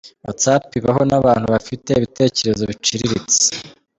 Whatsapp ibaho n’abantu bafite ibitekerezo biciriritse.